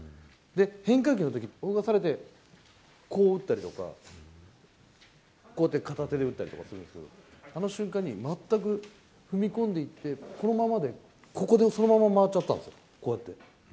で、変化球のとき、泳がされて、こう打ったりとか、こうやって片手で打ったりするんですけど、あの瞬間に、全く踏み込んでいって、このままで、ここでそのまま、回っちゃったんですよ、こうやって。